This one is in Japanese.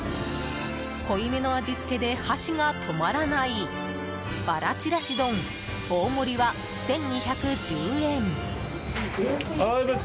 濃いめの味付けで箸が止まらないばらちらし丼大盛りは１２１０円。